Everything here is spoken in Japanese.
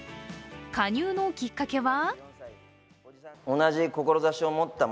加入のきっかけは？